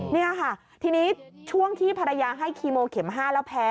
นี่ค่ะทีนี้ช่วงที่ภรรยาให้คีโมเข็ม๕แล้วแพ้